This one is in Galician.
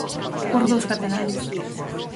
Os dous cataláns.